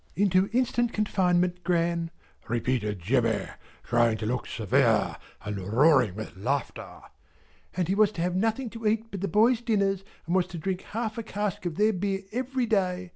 "Into instant confinement, Gran," repeated Jemmy, trying to look severe and roaring with laughter; "and he was to have nothing to eat but the boys' dinners, and was to drink half a cask of their beer every day.